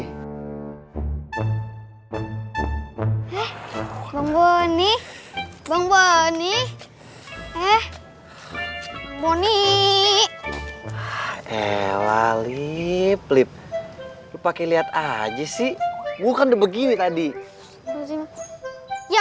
eh bangboni bangboni eh boni eh lalip lip pakai lihat aja sih bukan begini tadi ya